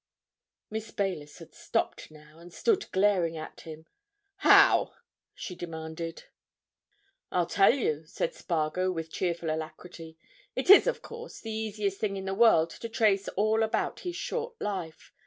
Miss Baylis had stopped now, and stood glaring at him. "How?" she demanded. "I'll tell you," said Spargo with cheerful alacrity. "It is, of course, the easiest thing in the world to trace all about his short life.